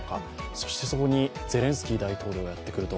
そしてそこにゼレンスキー大統領がやってくると。